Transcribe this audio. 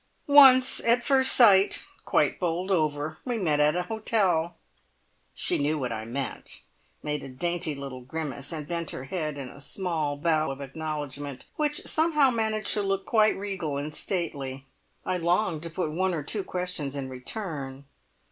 "Once. At first sight. Quite bowled over. We met at an hotel." She knew what I meant, made a dainty little grimace, and bent her head in a small bow of acknowledgment, which somehow managed to look quite regal and stately. I longed to put one or two questions in return.